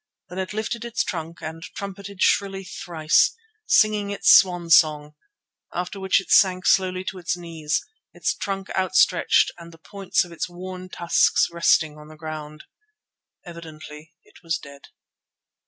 Then it lifted its trunk and trumpeted shrilly thrice, singing its swan song, after which it sank slowly to its knees, its trunk outstretched and the points of its worn tusks resting on the ground. Evidently it was dead.